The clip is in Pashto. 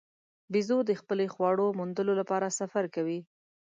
بیزو د خپلې خواړو موندلو لپاره سفر کوي.